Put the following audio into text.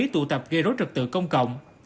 các đối tượng đã bị tụ tập gây rối trực tự công cộng